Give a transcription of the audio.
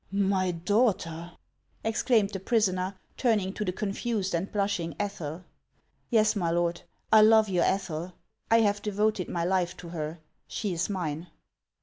" My daughter !" exclaimed the prisoner, turning to the confused and blushing Ethel. " Yes, my lord, I love your Ethel. I have devoted my life to her; she is mine."